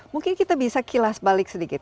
mungkin kita bisa kilas balik sedikit